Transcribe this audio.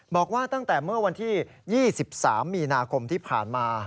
บอกว่าตั้งแต่เมื่อวันที่๒๓มีนาคมที่ผ่านมา